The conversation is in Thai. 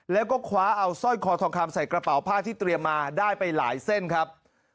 แล้วก็คว้าเอาสร้อยคอทองคำใส่กระเป๋าผ้าที่เตรียมมาได้ไปหลายเส้นครับ